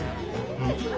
うん。